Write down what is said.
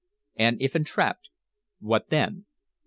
"And if entrapped, what then?"